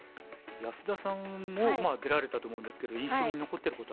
安田さんも出られたと思うんですけど印象に残ってることあります？